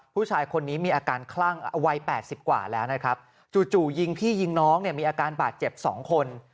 ผู้ชายคนนี้มีอาการคลั่งวัย๘๐กว่าแล้วนะครับจู่ยิงพี่ยิงน้องเนี่ยมีอาการบาดเจ็บ๒คน